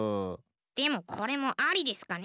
でもこれもアリですかね。